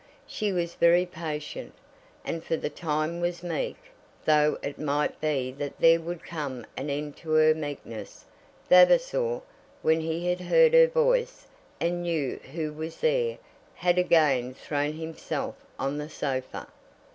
She was very patient, and for the time was meek, though it might be that there would come an end to her meekness. Vavasor, when he had heard her voice, and knew who was there, had again thrown himself on the sofa.